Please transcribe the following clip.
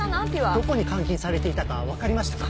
どこに監禁されていたか分かりましたか？